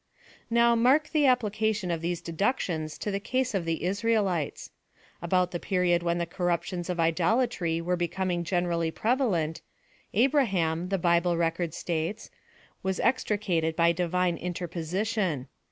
Now, mark the application of these deductions to the case of the Isra( lites. About the period when the corruptions of idolatry were becoming generally prevalent, Abraham, the Bible record states, was extricated by divine interposition.